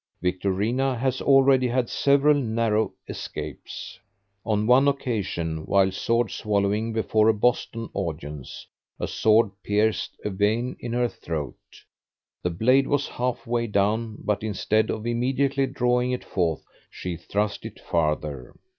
Victorina has already had several narrow escapes. On one occasion, while sword swallowing before a Boston audience, a sword pierced a vein in her throat. The blade was half way down, but instead of immediately drawing it forth, she thrust it farther.